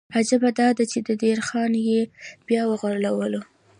عجیبه دا ده چې د دیر خان یې بیا وغولاوه.